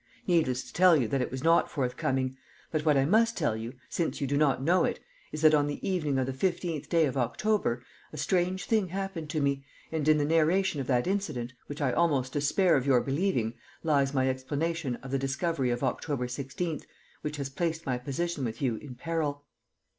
Needless to tell you that it was not forthcoming; but what I must tell you, since you do not know it, is that on the evening of the 15th day of October a strange thing happened to me, and in the narration of that incident, which I almost despair of your believing, lies my explanation of the discovery of October 16th, which has placed my position with you in peril.